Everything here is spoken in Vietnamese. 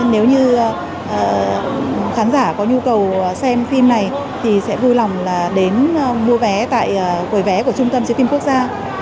nếu như khán giả có nhu cầu xem phim này thì sẽ vui lòng đến mua vé tại quầy vé của trung tâm chiếu phim quốc gia